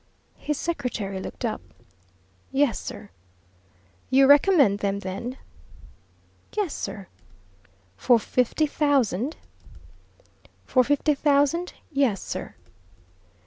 His secretary looked up. "Yes, sir." "You recommend them then?" "Yes, sir." "For fifty thousand?" "For fifty thousand yes, sir."